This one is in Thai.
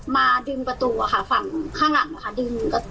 มาดึงประตูค่ะฝั่งข้างหลังค่ะ